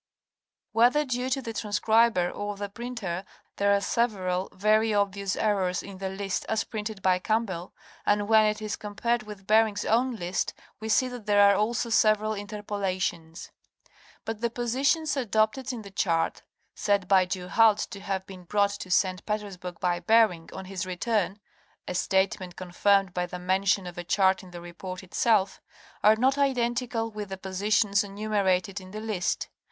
Whether due to the transcriber or the printer there are several very obvious errors in the list as printed by Campbell, and when it is com pared with Bering's own list we see that there are also several interpo lations. But the positions adopted in the chart, said by Du Halde to have been brought to St. Petersburg by Bering on his return (a statement con firmed by the mention of a chart in the report itself), are not identical with the positions enumerated in the list.